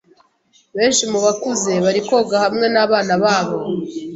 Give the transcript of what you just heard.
Benshi mu bakuze bari koga hamwe nabana babo.